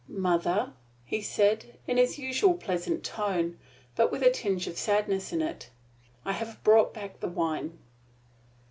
"Mother," he said, in his usual pleasant tone, but with a tinge of sadness in it, "I have brought back the wine."